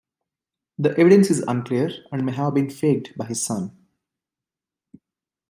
The evidence is unclear, and may have been faked by his son.